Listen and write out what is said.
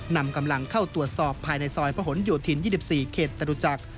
นำกำลังเข้าตรวจสอบภายในซอยพระหลโยธิน๒๔เขตจตุจักร